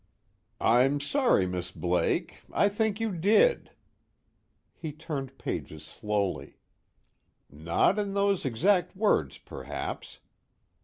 "I'm sorry, Miss Blake, I think you did." He turned pages slowly. "Not in those exact words perhaps.